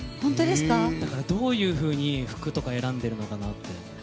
だから、どういうふうに服とか選んでるのかなって。